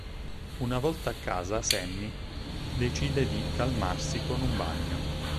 Una volta a casa Sammy decide di calmarsi con un bagno.